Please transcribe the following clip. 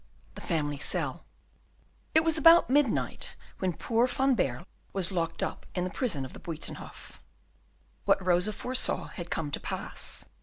The Family Cell It was about midnight when poor Van Baerle was locked up in the prison of the Buytenhof. What Rosa foresaw had come to pass.